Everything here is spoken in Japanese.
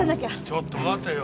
ちょっと待てよ。